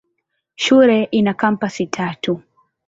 Shule ina kampasi tatu.